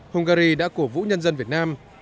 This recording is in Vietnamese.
hungary đã cổ vũ nhân dân việt nam